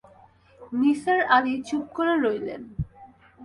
নিসার আলি চুপ করে রইলেন।